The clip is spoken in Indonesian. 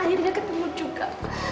akhirnya ketemu juga